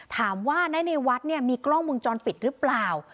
ถามว่าในวัดเนี่ยมีกล้องมุมจรปิดหรือเปล่า